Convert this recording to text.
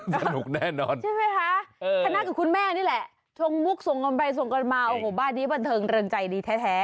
แม่นี่แหละทงมุกส่งกันไปส่งกันมาโอ้โหบ้านนี้บันเทิงเริงใจดีแท้